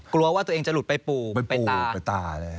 กลัวว่าตัวเองจะหลุดไปปู่ไปตา